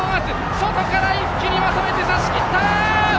外から一気にまとめて差しきった！